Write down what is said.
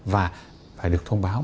và phải được thông báo